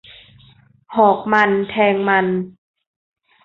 หอกมันแทงมัน